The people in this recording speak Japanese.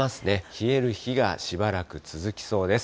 冷える日がしばらく続きそうです。